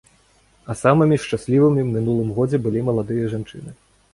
А самымі ж шчаслівымі ў мінулым годзе былі маладыя жанчыны.